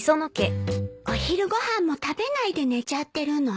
お昼ご飯も食べないで寝ちゃってるの？